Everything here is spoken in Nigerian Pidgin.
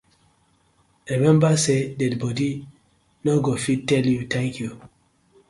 Remmeber say dead bodi no go fit tell yu tank yu.